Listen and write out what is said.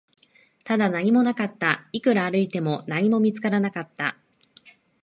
ただ、何もなかった、いくら歩いても、何も見つからなかった